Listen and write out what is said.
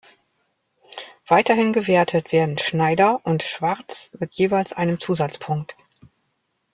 Weiterhin gewertet werden "Schneider" und "Schwarz" mit jeweils einem Zusatzpunkt.